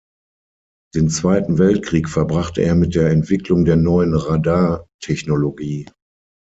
Den Zweiten Weltkrieg verbrachte er mit der Entwicklung der neuen Radar-Technologie.